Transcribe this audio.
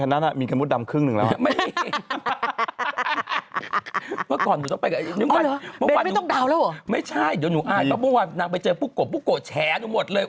นางไปเจอปุ๊กโกปุ๊กโกแฉนว่าหมดเลย